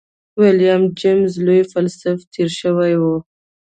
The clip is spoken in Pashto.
ويليم جېمز لوی فيلسوف تېر شوی دی.